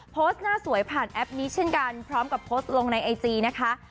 โพสต์หน้าสวยผ่านแอปนี้เช่นกันพร้อมกับโพสต์ลงในไอจีนะคะ